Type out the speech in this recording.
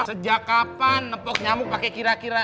sejak kapan nepok nyamuk pakai kira kira